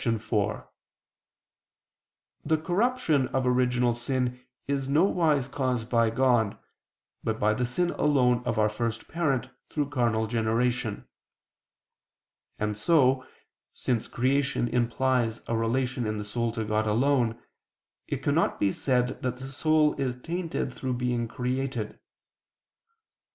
4: The corruption of original sin is nowise caused by God, but by the sin alone of our first parent through carnal generation. And so, since creation implies a relation in the soul to God alone, it cannot be said that the soul is tainted through being created.